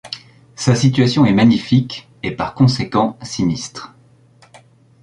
Sa situation est magnifique, et par conséquent sinistre.